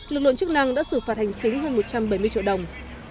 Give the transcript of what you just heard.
lực lượng chức năng đã xử phạt hành chính hơn một trăm bảy mươi triệu đồng